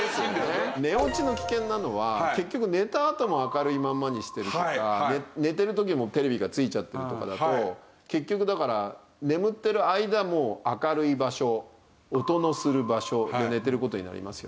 寝落ちの危険なのは結局寝たあとも明るいままにしてるとか寝てる時もテレビがついちゃってるとかだと結局だから眠ってる間も明るい場所音のする場所で寝てる事になりますよね。